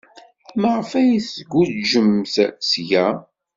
Maɣef ay tguǧǧemt seg-a?